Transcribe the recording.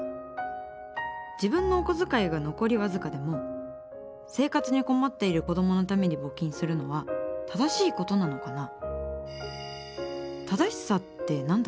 自分のお小遣いが残り僅かでも生活に困っている子どものために募金するのは正しいことなのかな？